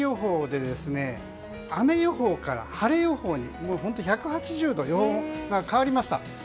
最新の天気予報で雨予報から晴れ予報に１８０度、変わりました。